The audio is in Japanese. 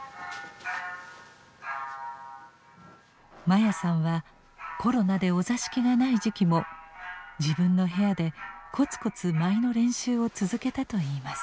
真矢さんはコロナでお座敷がない時期も自分の部屋でコツコツ舞の練習を続けたといいます。